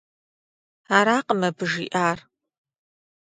Аракъым абы жиӏар.